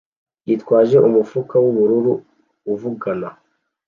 yitwaje umufuka wubururu uvugana